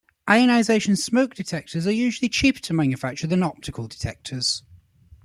Ionization smoke detectors are usually cheaper to manufacture than optical detectors.